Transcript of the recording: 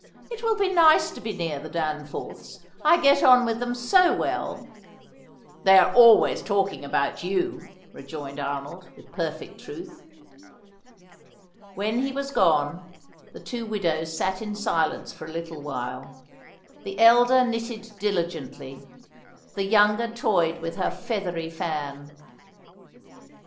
It will be nice to be near the Danforths; I get on with them so well." "They are always talking about you," rejoined Arnold, with perfect truth. When he was gone, the two widows sat in silence for a little while. The elder knitted diligently; the younger toyed with her feathery fan.